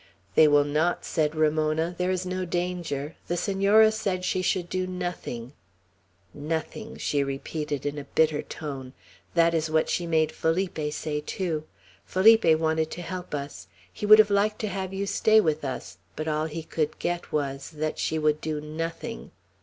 "They will not," said Ramona. "There is no danger. The Senora said she should do nothing. 'Nothing!'" she repeated, in a bitter tone. "That is what she made Felipe say, too. Felipe wanted to help us. He would have liked to have you stay with us; but all he could get was, that she would do 'nothing!'